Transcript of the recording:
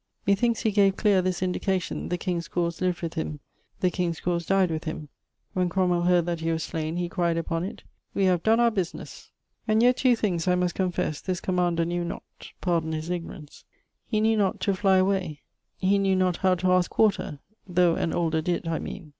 Methinkes he gave cleare this indication, the king's cause lived with him, the king's cause died with him when Cromwell heard that he was slaine, he cried upon it We have donne our businesse. 'And yet two things (I must confess) this commander knew not, pardon his ignorance, he knew not to flie away he knew not how to aske quarter though an older did, I meane